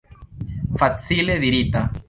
Facile dirita!